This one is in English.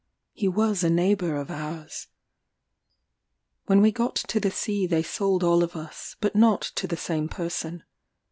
He was a neighbour of ours. When we got to the sea they sold all of us, but not to the same person.